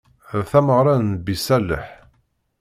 D tameɣra n Nnbi ṣṣaleḥ.